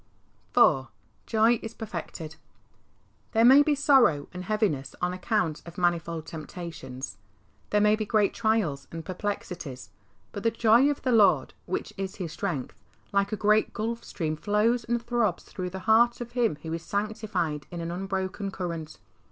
IV. Joy is perfected. There may be sorrow and heaviness on account of manifold temptations, there may be great trials and perplexities, but the joy of the Lord, which is his strength, like a great Gulf Stream flows and throbs through the heart of him who is sanctified in an unbroken current.